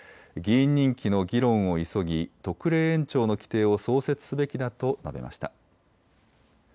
議員任期の議論を急ぎ特例延長の規定を創設すべきだと述べました。